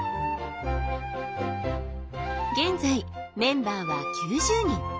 現在メンバーは９０人。